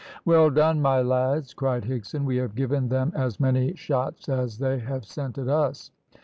"Well done, my lads," cried Higson, "we have given them as many shots as they have sent at us."